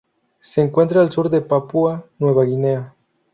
Se encuentra al sur de Papúa Nueva Guinea.